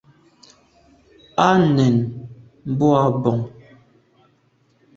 À nèn boa bon.